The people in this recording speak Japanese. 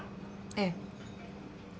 ええ。